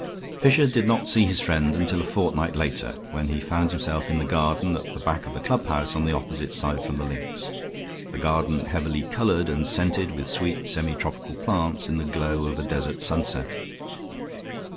Fisher did not see his friend until a fortnight later, when he found himself in the garden at the back of the clubhouse on the opposite side from the links, a garden heavily colored and scented with sweet semitropical plants in the glow of a desert sunset.